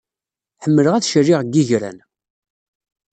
Ḥemmleɣ ad caliɣ deg yigran.